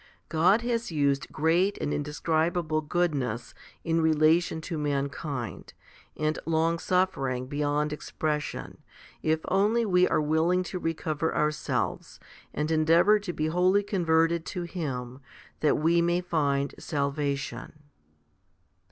2 God has used great and indescribable goodness in relation to mankind, and longsuffering beyond expression, if only we are willing to recover ourselves, and endeavour to be wholly converted to Him, that we may find salvation.